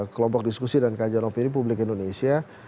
kelompok diskusi dan kak jaropi ini publik indonesia